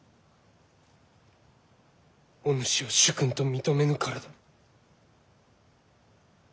お主を主君と認めぬからだ。